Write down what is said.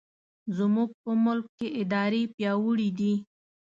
زموږ په ملک کې ادارې پیاوړې دي.